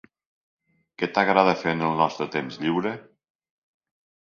Què t'agrada fer en el nostre temps lliure?